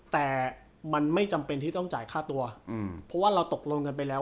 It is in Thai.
แต่มันไม่จำเป็นที่ต้องจ่ายค่าตัวเพราะว่าเราตกลงกันไปแล้ว